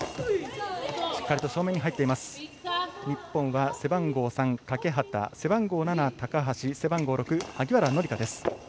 日本は背番号３、欠端背番号７、高橋背番号６、萩原紀佳です。